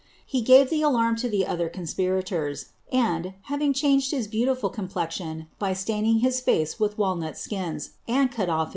He pan the alarm to the other conspirators, and, having changed liis beautiful complexion, by staining his face with walnut skins, and cut off hi?